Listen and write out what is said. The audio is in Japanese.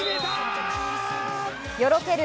よろける